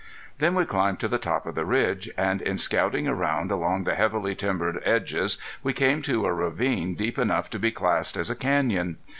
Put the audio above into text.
Then we climbed to the top of the ridge, and in scouting around along the heavily timbered edges we came to a ravine deep enough to be classed as a canyon.